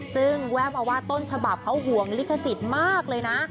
ซึ่งแวบมาว่าต้นฉบับเขาห่วงลิขสิทธิ์มากเลยนะ